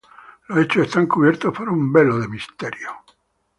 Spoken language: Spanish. Los hechos están cubiertos por un velo de misterio.